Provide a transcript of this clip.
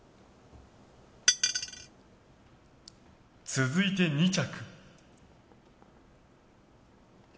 続いて２着。